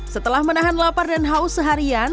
setelah menahan lapar dan haus seharian